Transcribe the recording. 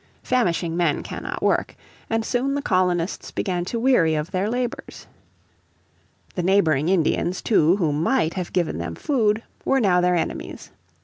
Famishing men cannot work, and soon the colonists began to weary of their labours. The neighbouring Indians, too, who might have given them food, were now their enemies.